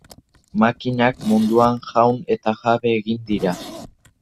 Makinak munduan jaun eta jabe egin dira.